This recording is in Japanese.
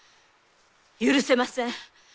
許せません。